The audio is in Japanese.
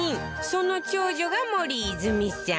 その長女が森泉さん